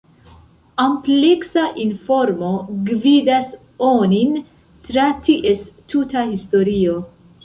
Ampleksa informo gvidas onin tra ties tuta historio.